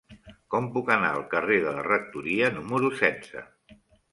Com puc anar al carrer de la Rectoria número setze?